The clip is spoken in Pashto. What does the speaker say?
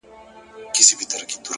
صادق زړه روښانه لاره غوره کوي.!